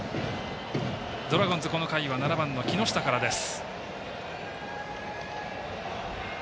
ドラゴンズこの回は７番の木下からです。